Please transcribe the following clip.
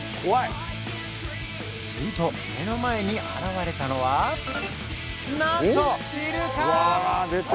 すると目の前に現れたのはなんとイルカ！